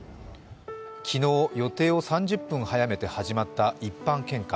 昨日、予定を３０分早めて始まった一般献花。